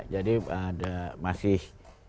jadi ada masih